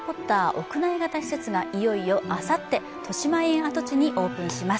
屋内型施設がいよいよあさって、としまえん跡地にオープンします。